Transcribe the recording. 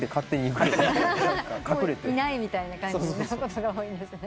いないみたいな感じのことが多い。